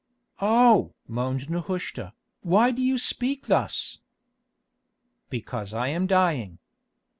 "Oh!" moaned Nehushta, "why do you speak thus?" "Because I am dying.